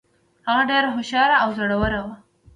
هغه ډیره هوښیاره او زړوره وه.